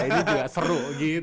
ini juga seru gitu